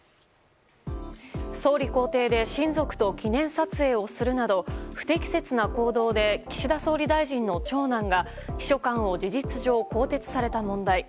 総理公邸で親族と記念撮影をするなど不適切な行動で岸田総理大臣の長男が秘書官を事実上更迭された問題。